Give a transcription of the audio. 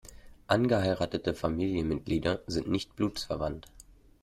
Angeheiratete Familienmitglieder sind nicht blutsverwandt.